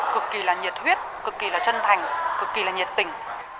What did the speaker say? cực kỳ là nhiệt huyết cực kỳ là chân thành cực kỳ là nhiệt tình